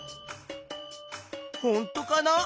ほんとかな？